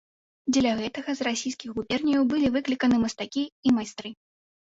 Дзеля гэтага з расійскіх губерняў былі выкліканы мастакі і майстры.